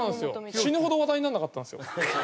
死ぬほど話題にならなかったんですよ。